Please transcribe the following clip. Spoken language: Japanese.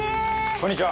こんにちは。